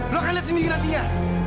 lo akan lihat seminggu nantinya